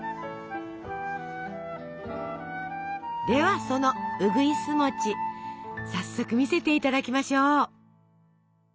ではその「うぐいす餅」早速見せて頂きましょう！